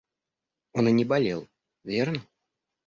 Он и не болел, верно?